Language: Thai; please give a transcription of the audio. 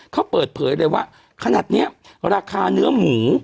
เขาเปิดเผยเลยว่าขนาดนี้ราคาเนื้อหมู